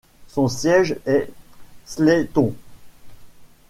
Son siège est Slayton.